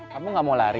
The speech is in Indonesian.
kamu gak mau lari